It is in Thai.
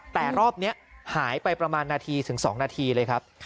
แต่รอบนี้หายไปประมาณนาทีถึง๒นาทีเลยครับ